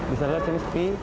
bisa dilihat sini suki